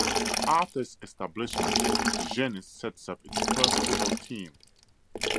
After its establishment Digenis sets up its first football team.